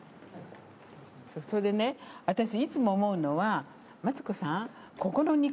それでね私いつも思うのはマツコさん。